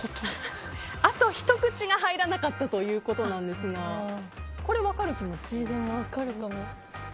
あとひと口が入らなかったということなんですがこれ分かりますか？